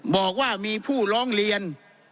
บอกว่ามีผู้ร้องเรียน